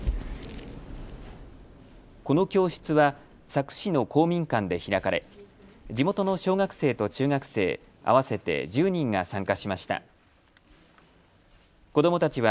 この教室は佐久市の公民館で開かれ地元の小学生と中学生合わせて１０人が参加しました。